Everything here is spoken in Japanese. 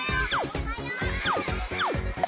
・おはよう！